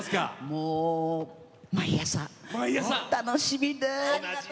もう毎朝、楽しみで。